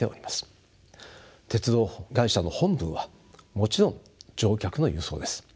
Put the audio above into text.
鉄道会社の本分はもちろん乗客の輸送です。